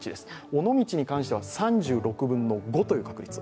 尾道に関しては３６分の５という確率。